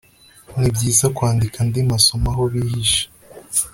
nibyiza kwandika andi masomo aho bihishe